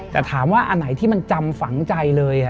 แต่ถามว่าอันไหนที่มันจำฝังใจเลย